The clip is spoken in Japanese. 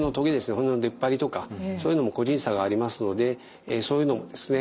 骨の出っ張りとかそういうのも個人差がありますのでそういうのもですね